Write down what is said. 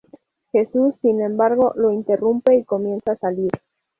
Jesús, sin embargo, lo interrumpe y comienza a salir.